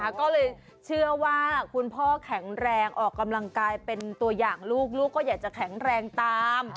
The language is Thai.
ก็เลยเชื่อว่าคุณพ่อแข็งแรงออกกำลังกายเป็นตัวอย่างลูกลูกก็อยากจะแข็งแรงตาม